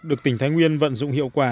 được tỉnh thái nguyên vận dụng hiệu quả